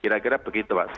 kira kira begitu pak